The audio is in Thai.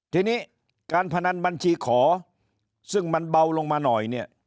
ทีนี้การพนันบัญชีขอซึ่งมันเบาลงมาหน่อยเนี่ย